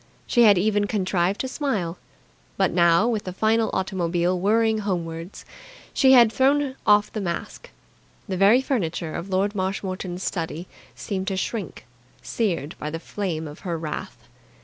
She had even contrived to smile. But now, with the final automobile whirring homewards, she had thrown off the mask. The very furniture of Lord Marshmoreton's study seemed to shrink, seared by the flame of her wrath.